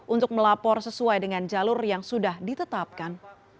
untuk melapor sesuai dengan jalur yang sudah ditetapkan